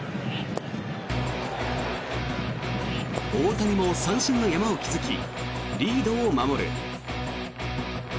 大谷も三振の山を築きリードを守る。